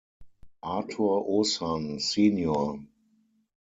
Artur Osann sen.